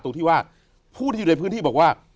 ตรงที่ว่าผู้ที่อยู่ในพื้นที่บอกว่า